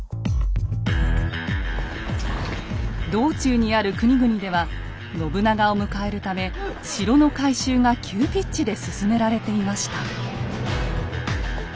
道中にある国々では信長を迎えるため城の改修が急ピッチで進められていました。